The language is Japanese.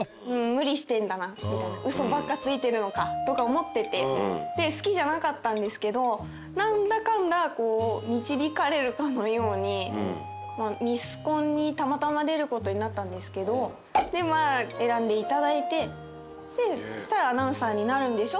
無理してんだなみたいな嘘ばっかついてるのかとか思ってて好きじゃなかったんですけど何だかんだ導かれるかのようにミスコンにたまたま出ることになったんですけどでまあ選んでいただいてそしたら。